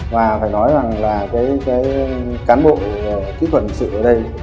và phải nói rằng là cái cán bộ kỹ thuật hình sự ở đây